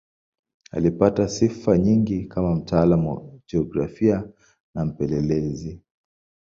Alipata sifa nyingi kama mtaalamu wa jiografia na mpelelezi.